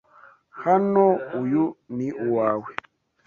Hano, uyu ni uwawe.